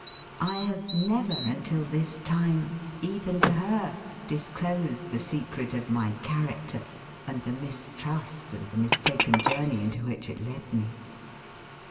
I have never until this time, even to her, disclosed the secret of my character, and the mistrust and the mistaken journey into which it led me.